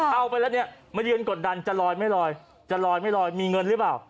เอาไปแล้วเนี่ยมายืนกดดันจะลอยไม่ลอยจะลอยไม่ลอยมีเงินหรือเปล่า